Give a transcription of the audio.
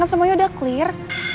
kan semuanya udah clear